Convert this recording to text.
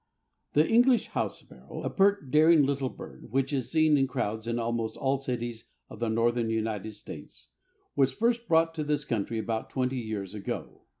The English house sparrow, a pert, daring little bird, which is seen in crowds in almost all cities of the Northern United States, was first brought to this country about twenty years ago.